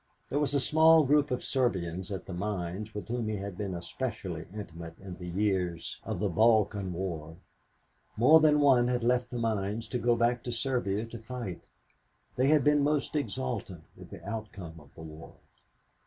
There was a small group of Serbians at the mines with whom he had been especially intimate in the years of the Balkan War. More than one had left the mines to go back to Serbia to fight. They had been most exultant with the outcome of the war.